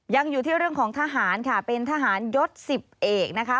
ยังอยู่ที่เรื่องของทหารค่ะเป็นทหารยศ๑๐เอกนะคะ